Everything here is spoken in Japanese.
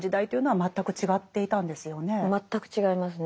全く違いますね。